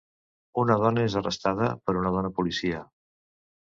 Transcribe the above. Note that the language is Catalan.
Una dona és arrestada per una dona policia.